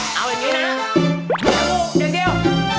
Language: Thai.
จมูกอีกเดียว